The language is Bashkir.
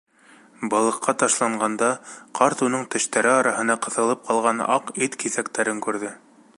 Балыҡҡа ташланғанда, ҡарт уның тештәре араһына ҡыҫылып ҡалған аҡ ит киҫәктәрен күрҙе.